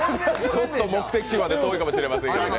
ちょっと目的地まで遠いかもしれませんけどね。